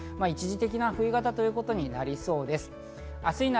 一時的な冬型ということになりそうです。